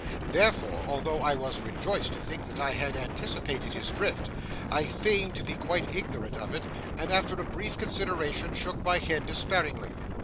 Therefore, although I was rejoiced to think that I had anticipated his drift, I feigned to be quite ignorant of it, and after a brief consideration shook my head despairingly.